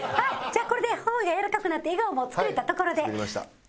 じゃあこれで頬が柔らかくなって笑顔も作れたところで。